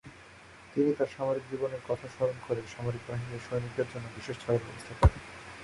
তিনি তার সামরিক জীবনের কথা স্মরণ করে সামরিক বাহিনীর সৈনিকদের জন্য বিশেষ ছাড়ের ব্যবস্থা করেন।